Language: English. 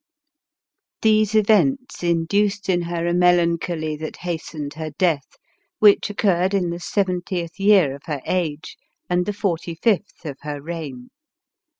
These events induced in her a melancholy that has tened her death, which occurred in the seventieth year of her age, and the forty fifth of her reign.